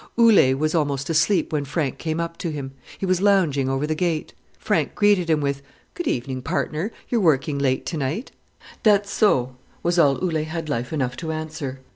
Ole was almost asleep when Frank came up to him. He was lounging over the gate. Frank greeted him with, "Good evening, partner; you're working late to night." "Dat's so," was all Ole had life enough to answer.